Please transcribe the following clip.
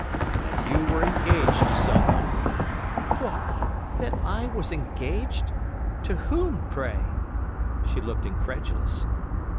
"That you were engaged to someone." "What! That I was engaged! To whom, pray?" She looked incredulous.